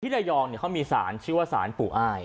พี่นายองเขามีศาลชื่อว่าศาลปู่อ้าย